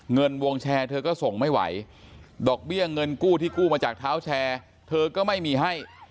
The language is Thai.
เงินวงแชร์เธอก็ส่งไม่ไหวดอกเบี้ยเงินกู้ที่กู้มาจากเท้าแชร์เธอก็ไม่มีให้